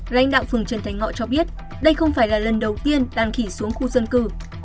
lãnh đạo phường trần thành ngọ cho biết đây không phải là lần đầu tiên đàn khỉ xuống khu dân cư